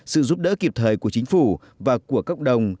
sự giúp đỡ kịp thời của chính phủ và của cộng đồng